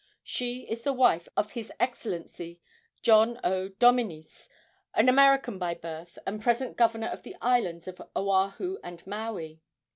She is the wife of His Excellency John O. Dominis, an American by birth and present governor of the islands of Oahu and Maui.